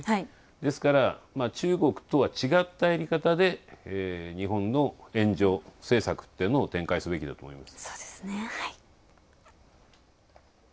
ですから、中国とは違ったやり方で日本の援助政策っていうのを展開すべきだと思います。